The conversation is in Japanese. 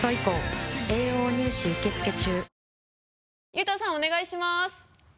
悠人さんお願いします。